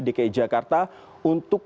dki jakarta untuk